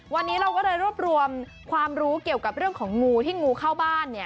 วันนี้เราก็เลยรวบรวมความรู้เกี่ยวกับเรื่องของงูที่งูเข้าบ้าน